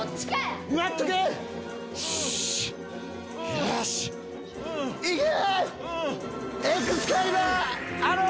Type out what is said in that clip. よしいけ！